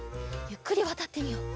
ゆっくりわたってみよう。